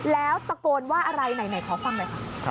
แล้วตะโกนว่าอะไรไหนขอฟังหน่อยค่ะ